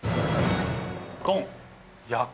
ドン。